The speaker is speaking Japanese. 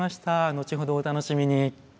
後ほどお楽しみに。